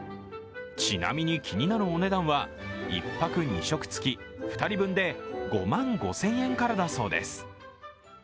ちなみに気になるお値段は１泊２食付き２人分で５万５０００円からだそうです。